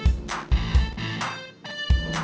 sekarang istrinya asli